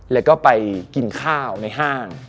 แล้วก็ไปกินข้าวในห้าง